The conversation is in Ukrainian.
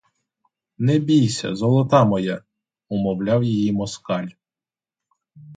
Не бійся, золота моя!— умовляв її москаль.